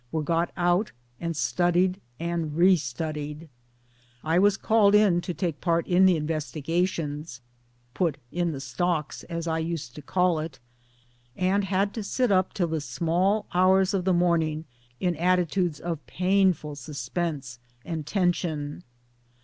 were got out and studied and restudied ; I was called in to take part in the investigations (" put in the stocks " as I used to call it), and had to sit up till the small hours of the morning in attitudes of painful suspense and tension.